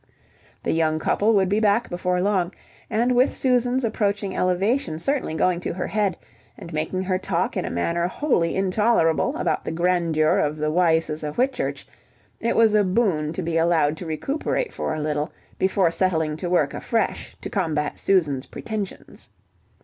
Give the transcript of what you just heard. The young couple would be back before long, and with Susan's approaching elevation certainly going to her head, and making her talk in a manner wholly intolerable about the grandeur of the Wyses of Whitchurch, it was a boon to be allowed to recuperate for a little, before settling to work afresh to combat Susan's pretensions.